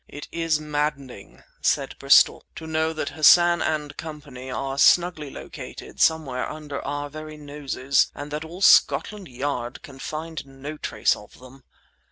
"It is maddening," said Bristol, "to know that Hassan and Company are snugly located somewhere under our very noses, and that all Scotland Yard can find no trace of them.